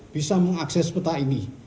bisa mengakses peta ini